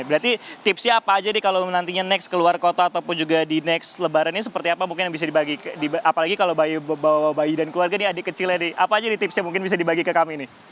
berarti tipsnya apa aja nih kalau nantinya next keluar kota ataupun juga di next lebaran ini seperti apa mungkin yang bisa dibagi apalagi kalau bayi dan keluarga nih adik kecilnya nih apa aja nih tipsnya mungkin bisa dibagi ke kami nih